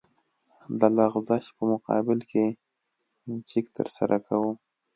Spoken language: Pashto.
د لغزش په مقابل کې چک ترسره کوو